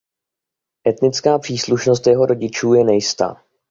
Etnická příslušnost jeho rodičů je nejistá.